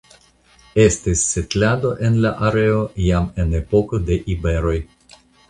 Estis setlado en la areo jam en epoko de iberoj.